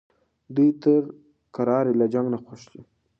دوی تر کرارۍ له جنګ نه خوښ دي.